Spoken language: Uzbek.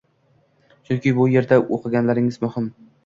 Chunki bu yerda o’qiganlaringiz muhim.